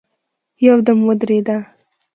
يودم ودرېده.